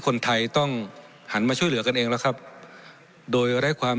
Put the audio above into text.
คนไทยต้องหันมาช่วยเหลือกันเองแล้วครับโดยได้ความ